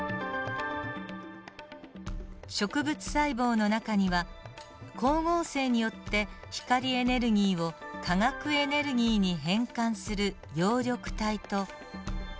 植物細胞の中には光合成によって光エネルギーを化学エネルギーに変換する葉緑体と。